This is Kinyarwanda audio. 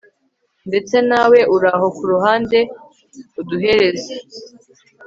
ndetse nawe uraho kuruhande uduhereza